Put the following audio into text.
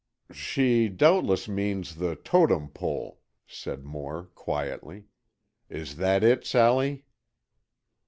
"She doubtless means the Totem Pole," said Moore, quietly. "Is that it, Sally?"